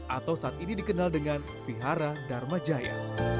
atau saat ini dikenal dengan pihara dharma jaya